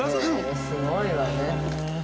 ◆すごいわね。